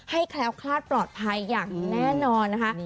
แคล้วคลาดปลอดภัยอย่างแน่นอนนะคะ